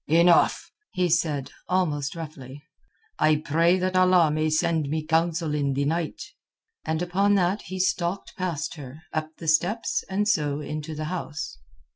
"Enough," he said almost roughly. "I pray that Allah may send me counsel in the night." And upon that he stalked past her, up the steps, and so into the house.